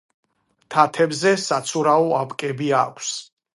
თათებზე საცურაო აპკები აქვს.